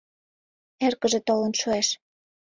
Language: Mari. Эргыже толын шуэш.